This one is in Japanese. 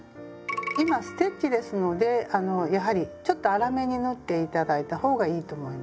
今ステッチですのでやはりちょっと粗めに縫って頂いた方がいいと思います。